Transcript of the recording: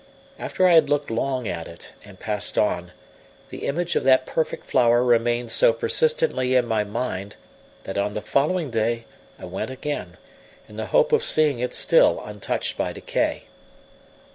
After I had looked long at it, and passed on, the image of that perfect flower remained so persistently in my mind that on the following day I went again, in the hope of seeing it still untouched by decay.